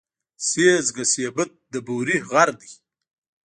سېځگه سېبت د بوري غر دی.